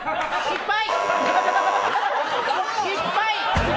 失敗！